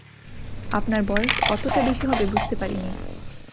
আপনার বয়স অতটা বেশি হবে বুঝতে পারিনি।